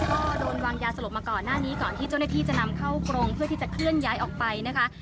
ก็โดนวางยาสลบมาก่อนหน้านี้ก่อนที่เจ้าหน้าที่จะนำเข้ากรงเพื่อที่จะเคลื่อนย้ายออกไปนะคะ